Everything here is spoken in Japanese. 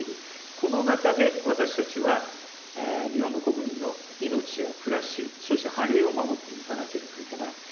この中で私たちは、日本の国民の命や暮らし、そして繁栄を守っていかなければいけない。